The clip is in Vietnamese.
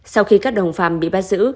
sau khi các đồng phàm bị bắt giữ